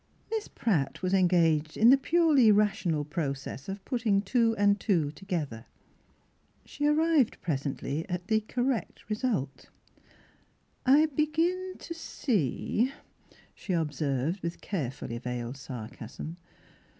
Miss Pratt was engaged in the purely rational process of putting two and two together. She arrived presently at the correct result. " I begin to see," she observed, with carefully veiled sarcasm.